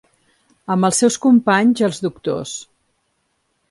Amb els seus companys, els doctors